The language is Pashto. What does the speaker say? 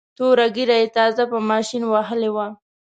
توره ږیره یې تازه په ماشین وهلې وه.